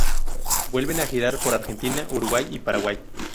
Vuelven a girar por Argentina, Uruguay y Paraguay.